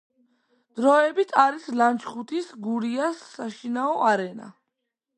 დროებით არის ლანჩხუთის „გურიას“ საშინაო არენა.